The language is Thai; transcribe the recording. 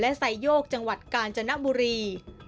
ไซโยกจังหวัดกาญจนบุรี